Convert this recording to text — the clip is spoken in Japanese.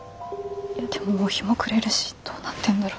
でももう日も暮れるしどうなってんだろ。